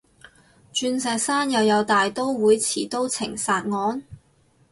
鑽石山又有大刀會持刀情殺案？